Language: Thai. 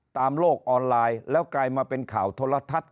โลกออนไลน์แล้วกลายมาเป็นข่าวโทรทัศน